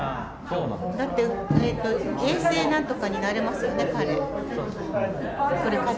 だって、なんとかになれますよね、彼。